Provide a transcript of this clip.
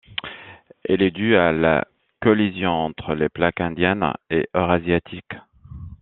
Il est dû à la collision entre les plaques indienne et eurasiatique.